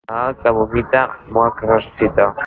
Malalt que vomita, mort que ressuscita.